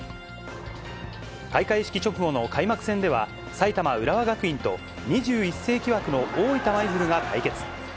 開会式直後の開幕戦では、埼玉・浦和学院と２１世紀枠の大分舞鶴が対決。